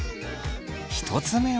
１つ目は。